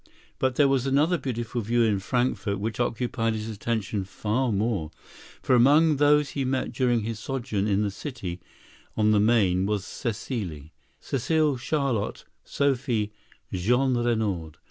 But there was another beautiful view in Frankfort which occupied his attention far more, for among those he met during his sojourn in the city on the Main was Cécile,—Cécile Charlotte Sophie Jeanrenaud.